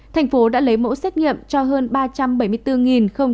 thành phố đã lấy mẫu xét nghiệm cho hơn ba trăm bảy mươi bốn